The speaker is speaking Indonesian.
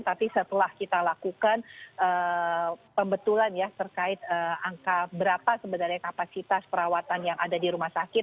tapi setelah kita lakukan pembetulan ya terkait angka berapa sebenarnya kapasitas perawatan yang ada di rumah sakit